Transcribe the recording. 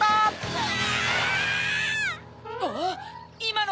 うわ！